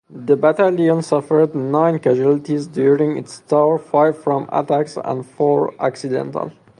The battalion suffered nine casualties during its tour, five from attacks and four accidental.